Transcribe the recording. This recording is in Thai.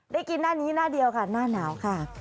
ได้กินหน้านี้หน้าเดียวค่ะหน้าหนาวค่ะ